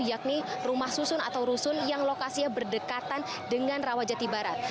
yakni rumah susun atau rusun yang lokasinya berdekatan dengan rawajati barat